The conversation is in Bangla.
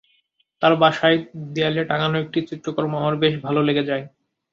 তাঁর বাসায় দেয়ালে টাঙানো একটি চিত্রকর্ম আমার বেশ ভালো লেগে যায়।